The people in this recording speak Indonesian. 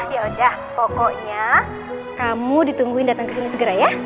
ya udah pokoknya kamu ditungguin datang kesini segera ya